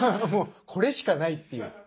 これしかないっていう。